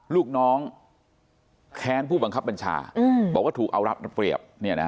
ลูกน้องแค้นผู้บังคับบัญชาบอกว่าถูกเอารับเปรียบ